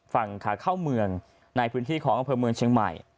ฝั่งขาเข้าเมืองในพื้นที่ของอำเภอเมืองเชียงใหม่